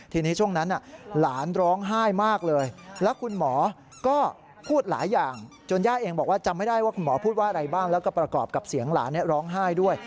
ทีนี้ช่วงนั้นหลานร้องไห้มากเลยแล้วคุณหมอก็พูดหลายอย่างจนย่าเองบอกว่าจำไม่ได้ว่าคุณหมอพูดว่าอะไรบ้างแล้วก็ประกอบกับเสียงหลานร้องไห้ด้วย